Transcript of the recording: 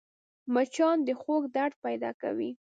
مچان د غوږ درد پیدا کوي